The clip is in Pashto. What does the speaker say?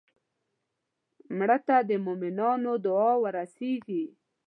مړه ته د مومنانو دعا ورسېږي